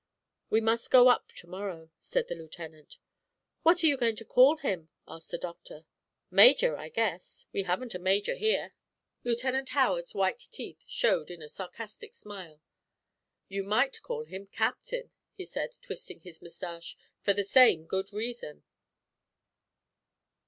"We must go up to morrow," said the Lieutenant. "What are you going to call him?" asked the Doctor. "Major, I guess we haven't a major here." Lieutenant Howard's white teeth showed in a sarcastic smile. "You might call him 'Captain,'" he said, twisting his mustache, "for the same good reason."